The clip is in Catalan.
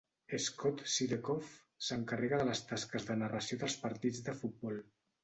Scott Sudikoff s'encarrega de les tasques de narració dels partits de futbol.